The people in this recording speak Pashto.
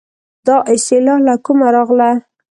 دا اصطلاح له کومه راغله.